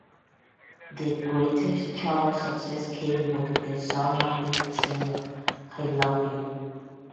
Their greatest chart success came with their summer hit single "I Love You".